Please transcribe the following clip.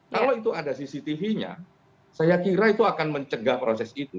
kalau itu ada cctv nya saya kira itu akan mencegah proses itu